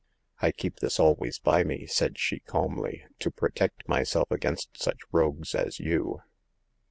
I keep this always by me," said she, calmly, to protect myself against such rogues as you